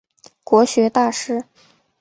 国学大师。